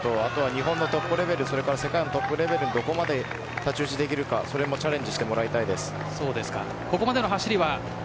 日本のトップレベル世界のトップレベルにどこまで太刀打ちできるかチャレンジしてもらいたいです。